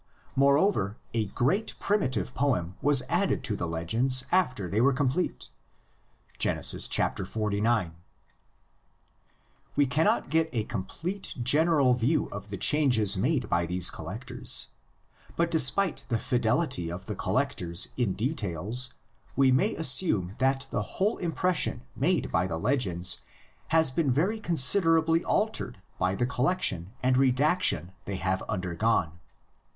Moreover a great, primitive poem was added to the legends after they were complete (Genesis xlix). We cannot get a complete general view of the changes made by these collections, but despite the fidelity of the collectors in details we may assume that the whole impression made by the legends has been very considerably altered by the collection and redaction they have undergone.